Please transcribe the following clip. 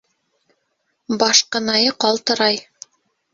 Башҡынайы ҡалтырай